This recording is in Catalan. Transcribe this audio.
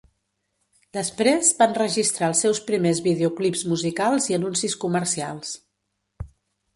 Després va enregistrar els seus primers videoclips musicals i anuncis comercials.